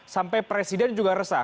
sampai presiden juga resah